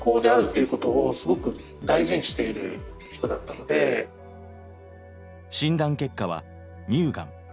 しかし診断結果は乳がん。